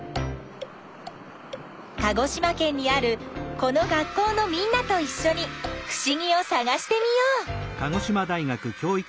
鹿児島県にあるこの学校のみんなといっしょにふしぎをさがしてみよう！